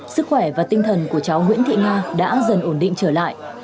sức khỏe và tinh thần của cháu nguyễn thị nga đã dần ổn định trở lại